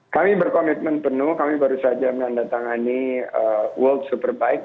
kami berkomitmen penuh kami baru saja menandatangani world superbike